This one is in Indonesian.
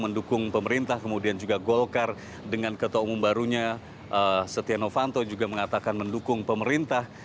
mendukung pemerintah kemudian juga golkar dengan ketua umum barunya setia novanto juga mengatakan mendukung pemerintah